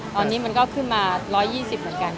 ตอนนี้มันก็ขึ้นมา๑๒๐เหมือนกัน